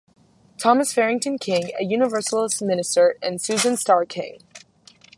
Thomas Farrington King, a Universalist minister, and Susan Starr King.